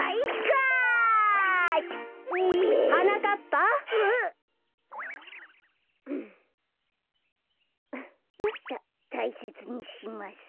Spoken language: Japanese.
たたいせつにします。